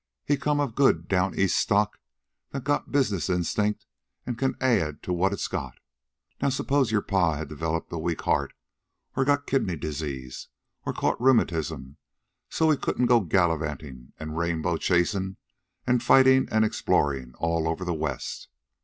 He come of good Down East stock that's got business instinct an' can add to what it's got. Now suppose your pa had developed a weak heart, or got kidney disease, or caught rheumatism, so he couldn't go gallivantin' an' rainbow chasin', an' fightin' an' explorin' all over the West.